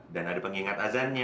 dan ada pengingat azannya